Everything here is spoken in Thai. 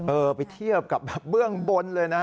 เออไปเทียบกับแบบเบื้องบนเลยนะ